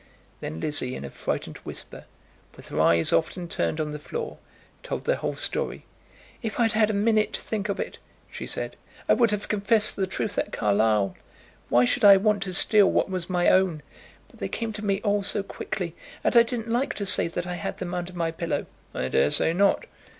Then Lizzie, in a frightened whisper, with her eyes often turned on the floor, told the whole story. "If I'd had a minute to think of it," she said, "I would have confessed the truth at Carlisle. Why should I want to steal what was my own? But they came to me all so quickly, and I didn't like to say that I had them under my pillow." "I daresay not."